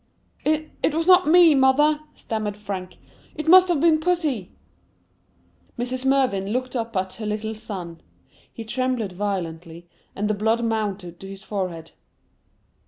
"It was not me, mother," stammered Frank; "It must have been pussy." Mrs. Mervyn looked up at[Pg 8] her little son,—he trembled violently, and the blood mounted to his forehead.